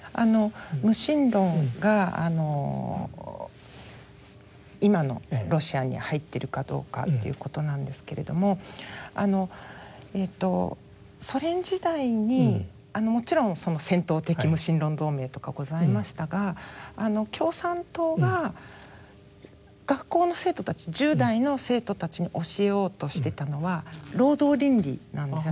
無神論が今のロシアに入ってるかどうかっていうことなんですけれどもソ連時代にもちろん戦闘的無神論同盟とかございましたが共産党が学校の生徒たち１０代の生徒たちに教えようとしてたのは労働倫理なんですよね。